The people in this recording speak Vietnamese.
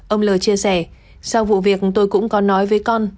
ông l chia sẻ sau vụ việc tôi cũng có nói với con